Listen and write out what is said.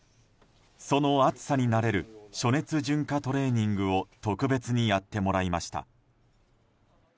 その暑さに慣れる暑熱順化トレーニングを特別にやってもらいました。